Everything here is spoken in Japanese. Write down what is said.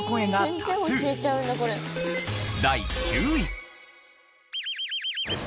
第９位。